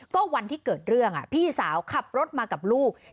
ก็วันที่เกิดเรื่องพี่สาวขับรถมากับลูก